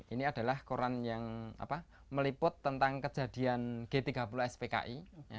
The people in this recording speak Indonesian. ini adalah koran yang meliput tentang kejadian g tiga puluh spki